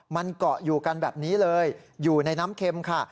มันเกาะอยู่กันแบบนี้เลยอยู่ในน้ำเค็มค่ะ